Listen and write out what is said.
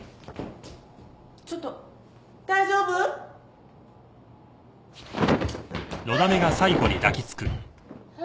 ちょっと大丈夫？何！？